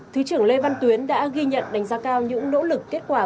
thứ trưởng lê văn tuyến đã ghi nhận đánh giá cao những nỗ lực kết quả